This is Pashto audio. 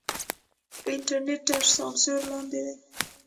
انټرنېټ تر سانسور لاندې دی.